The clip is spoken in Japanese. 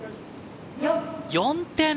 ４点。